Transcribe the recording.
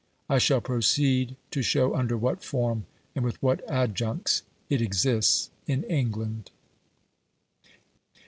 I shall proceed to show under what form and with what adjuncts it exists in England.